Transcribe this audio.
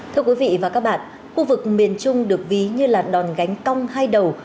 thưa quý vị và các bạn khu vực miền trung được ví như là đòn gánh cong hai đầu